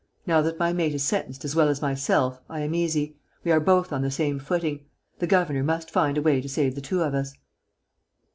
Now that my mate is sentenced as well as myself, I am easy.... We are both on the same footing.... The governor must find a way to save the two of us."